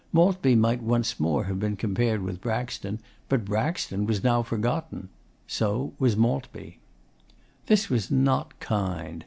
Maltby might once more have been compared with Braxton. But Braxton was now forgotten. So was Maltby. This was not kind.